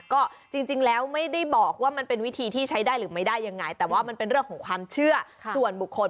ก็จริงแล้วไม่ได้บอกว่ามันเป็นวิธีที่ใช้ได้หรือไม่ได้ยังไงแต่ว่ามันเป็นเรื่องของความเชื่อส่วนบุคคล